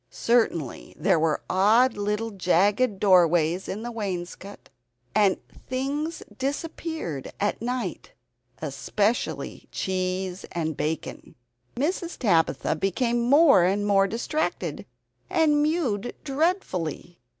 Certainly there were odd little jagged doorways in the wainscot, and things disappeared at night especially cheese and bacon. Mrs. Tabitha became more and more distracted and mewed dreadfully.